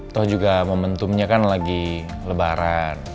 toh juga momentumnya kan lagi lebaran